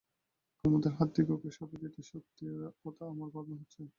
কুমুদের হাতে ওকে সঁপে দিতে সত্যি আমার ভাবনা হচ্ছে।